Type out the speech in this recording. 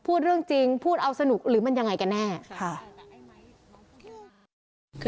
พูดเรื่องจริงพูดเอาสนุกหรือมันอย่างไรก็แน่